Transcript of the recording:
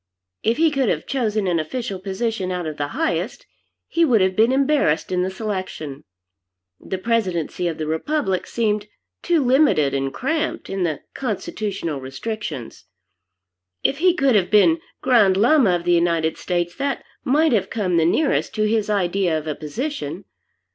If he could have chosen an official position out of the highest, he would have been embarrassed in the selection. The presidency of the republic seemed too limited and cramped in the constitutional restrictions. If he could have been Grand Llama of the United States, that might have come the nearest to his idea of a position.